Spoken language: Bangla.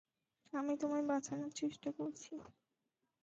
আমি তোমায় বাঁচানোর চেষ্টা করছি।